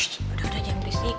shh udah udah jangan risik